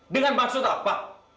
dengan maksud apa